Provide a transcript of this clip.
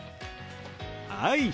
はい。